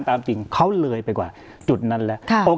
จริงเขาเลยไปกว่าจุดนั้นแล้ว